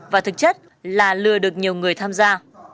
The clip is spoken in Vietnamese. và thực chất là lừa được nhiều người tham gia